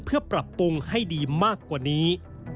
เพื่อปรับปรุงให้ดีมากกว่านี้